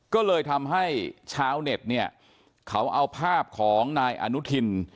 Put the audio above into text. ก็เลยทำให้ชาวเน็ตเนี่ยเขาเอาภาพของนายอนุทิน